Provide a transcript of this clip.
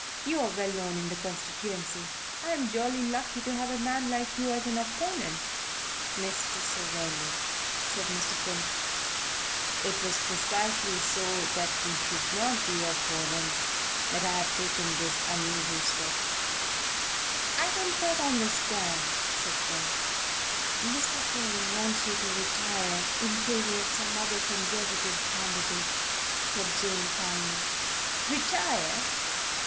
You're well known in the constituency I am jolly lucky to have a man like you as an opponent." "Mr. Savelli," said Mr. Finn, "it was precisely so that we should not be opponents that I have taken this unusual step." "I don't quite understand," said Paul. "Mr. Finn wants you to retire in favour of some other Conservative candidate," said Jane calmly. "Retire?